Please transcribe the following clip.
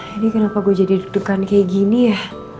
ini kenapa gue jadi deg degan kayak gini ya